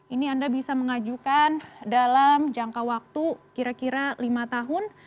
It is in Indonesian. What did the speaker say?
ini anda bisa mengajukan dalam jangka waktu kira kira lima tahun